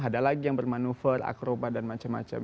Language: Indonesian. ada lagi yang bermanuver akroba dan macam macam